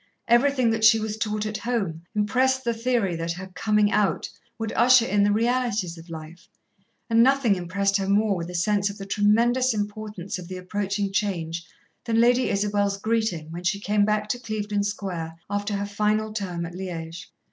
Everything that she was taught at home impressed the theory that her "coming out" would usher in the realities of life, and nothing impressed her more with a sense of the tremendous importance of the approaching change than Lady Isabel's greeting, when she came back to Clevedon Square after her final term at Liège.